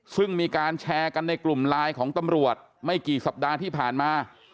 ซึ่งมีการแชร์กันในกลุ่มไลน์ของตำรวจไม่กี่สัปดาห์ที่ผ่านมา